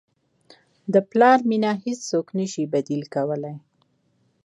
د پلار مینه هیڅوک نه شي بدیل کولی.